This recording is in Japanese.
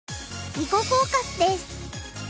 「囲碁フォーカス」です。